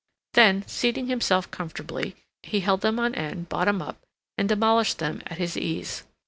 Then seating himself comfortably, he held them on end, bottom up, and demolished them at his ease.